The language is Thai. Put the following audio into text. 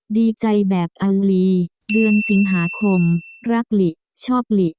ดีใจแบบอัลลีเดือนสิงหาคมรักหลิชอบหลี